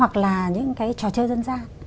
hoặc là những cái trò chơi dân gian